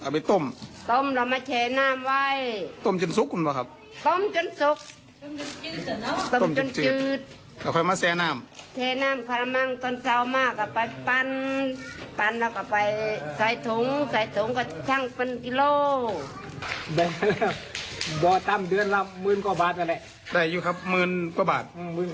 ๒๐มิลล้อนประมาณ๑๒๐๐๐บาท